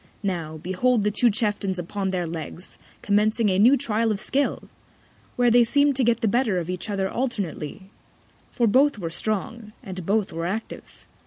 Now, behold the two Chieftains upon their Legs, commencing a new Trial of Skill! where they seem'd to get the better of each other alternately; for both were strong, and both were active.